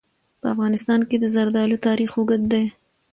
په افغانستان کې د زردالو تاریخ اوږد دی.